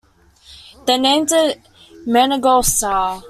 They named it Maingol Sar.